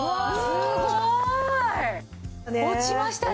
すごい！落ちましたね！